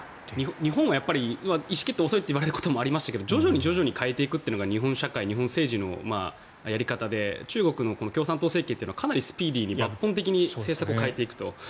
日本は意思決定が遅いって言われることもありましたけど徐々に徐々に変えていくというのが日本社会、日本政治のやり方で中国のこの共産党政権というのはかなりスピーディーに抜本的に政策を変えていくと。